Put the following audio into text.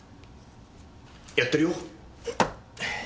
やってるよ。